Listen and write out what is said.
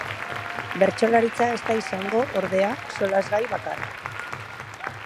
Bertsolaritza ez da izango, ordea, solasgai bakarra.